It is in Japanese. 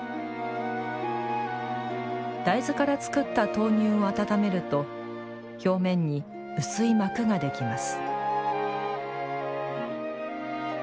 大豆から作った豆乳を温めると表面に薄い膜ができます。